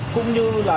cũng như là